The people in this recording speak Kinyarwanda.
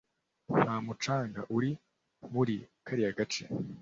nta mucanga uri muri kariya gace.